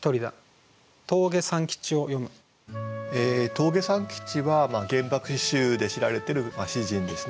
峠三吉は「原爆詩集」で知られてる詩人ですね。